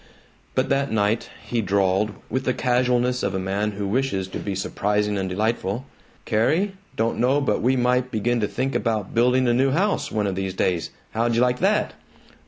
But that night he drawled, with the casualness of a man who wishes to be surprising and delightful, "Carrie, don't know but what we might begin to think about building a new house, one of these days. How'd you like that?"